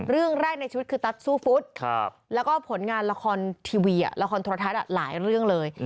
เรื่องแรกในชีวิตคือตัสสู้ฟุตแล้วก็ผลงานละครทีวีละครโทรทัศน์หลายเรื่องเลย